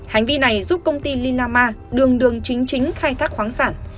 hành vi này giúp công ty linama đường đường chính chính khai thác khoáng sản